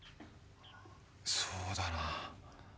そうだな。